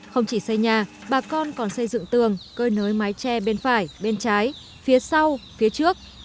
không chỉ xây nhà bà con còn xây dựng tường cơi nới mái tre bên phải bên trái phía sau phía trước